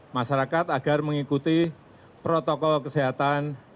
masyarakat agar mengikuti protokol kesehatan